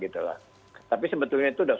tapi sebetulnya itu dosis